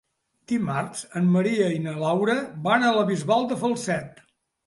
Dimarts en Maria i na Laura van a la Bisbal de Falset.